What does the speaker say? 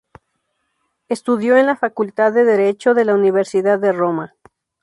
Estudió en la facultad de derecho de la Universidad de Roma.